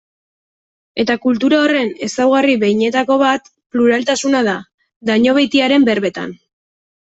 Eta kultura horren ezaugarri behinenetako bat pluraltasuna da, Dañobeitiaren berbetan.